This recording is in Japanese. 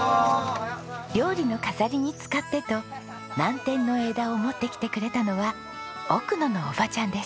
料理の飾りに使ってと南天の枝を持ってきてくれたのは奧野のおばちゃんです。